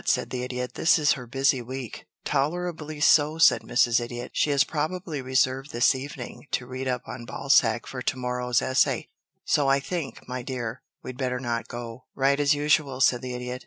said the Idiot. "This is her busy week." "Tolerably so," said Mrs. Idiot. "She has probably reserved this evening to read up on Balzac for to morrow's essay, so I think, my dear, we'd better not go." "Right as usual," said the Idiot.